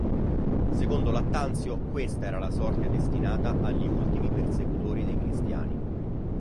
Secondo Lattanzio, questa era la sorte destinata agli ultimi persecutori dei cristiani.